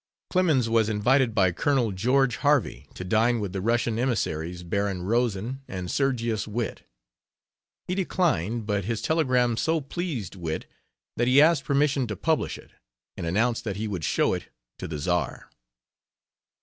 Clemens was invited by Colonel George Harvey to dine with the Russian emissaries, Baron Rosen and Sergius Witte. He declined, but his telegram so pleased Witte that he asked permission to publish it, and announced that he would show it to the Czar.